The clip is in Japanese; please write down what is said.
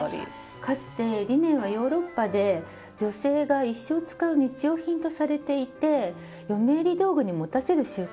かつてリネンはヨーロッパで女性が一生使う日用品とされていて嫁入り道具に持たせる習慣があったんですね。